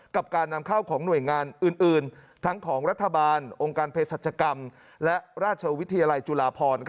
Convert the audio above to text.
กับการนำเข้าของหน่วยงานอื่นทั้งของรัฐบาลองค์การเพศรัชกรรมและราชวิทยาลัยจุฬาพร